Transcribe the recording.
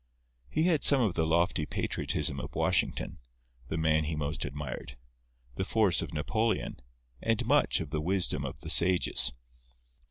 He had some of the lofty patriotism of Washington (the man he most admired), the force of Napoleon, and much of the wisdom of the sages.